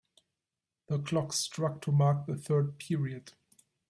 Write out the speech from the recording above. The clock struck to mark the third period.